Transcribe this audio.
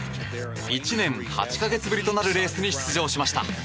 １年８か月ぶりとなるレースに出場しました。